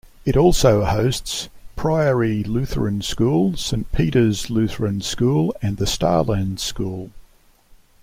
It also hosts Prairie Lutheran School, Saint Peter's Lutheran School and the Starland School.